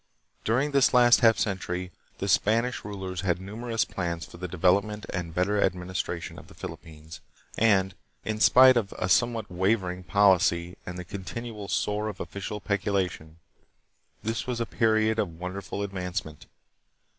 During this last half century the Spanish rulers had numerous plans for the development and better ad ministration of the Philippines, and, in spite of a some what wavering policy and the continual sore of official peculation, this was a period of wonderful advancement.